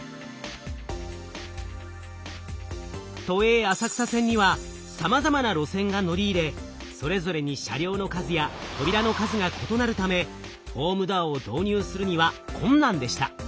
都営浅草線にはさまざまな路線が乗り入れそれぞれに車両の数や扉の数が異なるためホームドアを導入するには困難でした。